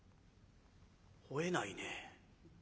ほえないね。